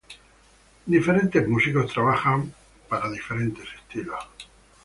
Diferentes músicos trabajan para diferentes estilos.